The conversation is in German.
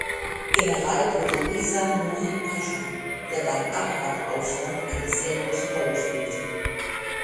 General wurde Ihsan Nuri Pascha, der beim Ararat-Aufstand eine sehr große Rolle spielte.